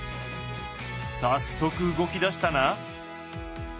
早速動きだしたな。